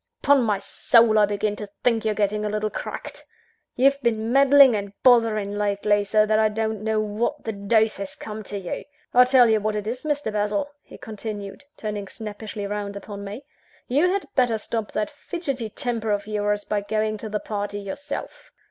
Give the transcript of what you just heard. Upon my soul I begin to think you're getting a little cracked. You've been meddling and bothering lately, so that I don't know what the deuce has come to you! I'll tell you what it is, Mr. Basil," he continued, turning snappishly round upon me, "you had better stop that fidgetty temper of yours, by going to the party yourself.